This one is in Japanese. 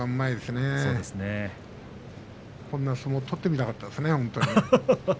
私もこんな相撲を取ってみたかったですよ。